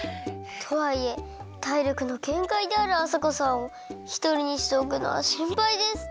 とはいえ体力のげんかいであるあさこさんをひとりにしておくのはしんぱいです！